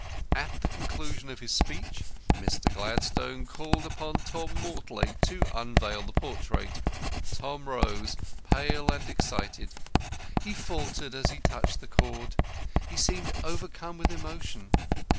At the conclusion of his speech Mr. Gladstone called upon Tom Mortlake to unveil the portrait. Tom rose, pale and excited. He faltered as he touched the cord. He seemed overcome with emotion.